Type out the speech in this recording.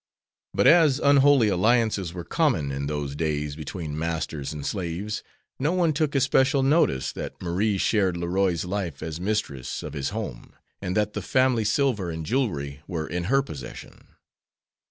But as unholy alliances were common in those days between masters and slaves, no one took especial notice that Marie shared Leroy's life as mistress of his home, and that the family silver and jewelry were in her possession.